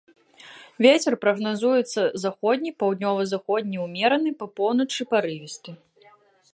Вецер прагназуецца заходні, паўднёва-заходні ўмераны, па поўначы парывісты.